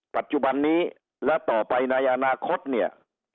ปัจจุบันนี้และต่อไปในอนาคตเนี่ย